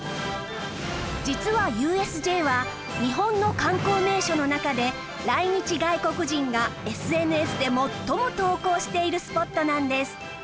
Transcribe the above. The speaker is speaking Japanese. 実は ＵＳＪ は日本の観光名所の中で来日外国人が ＳＮＳ で最も投稿しているスポットなんです